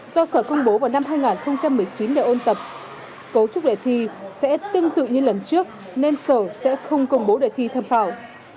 do sở công bố vào năm hai nghìn một mươi chín để ôn tập cấu trúc đề thi sẽ tương tự như lần trước nên sở sẽ không công bố đề thi tham khảo